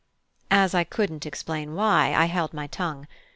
As I couldn't explain why, I held my tongue.